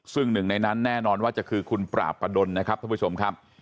ซึ่งหนึ่งในนั้นแน่นอนว่าจะคือคุณปราบประดนนะครับท่านผู้ชมครับ